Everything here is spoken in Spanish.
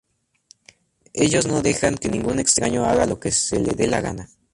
Ellos no dejan que ningún extraño haga lo que se le de la gana.